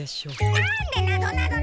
なんでなぞなぞなんだ！？